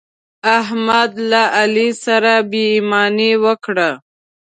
احمد له علي سره بې ايماني وکړه.